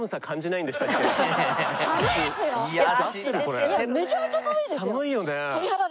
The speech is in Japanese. いやめちゃめちゃ寒いですよ。